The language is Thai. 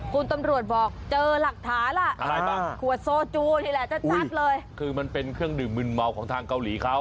คุณตำรวจบอกเจอหลักฐานล่ะอะไรบ้างขวดโซจูนี่แหละจัดเลยคือมันเป็นเครื่องดื่มมืนเมาของทางเกาหลีเขา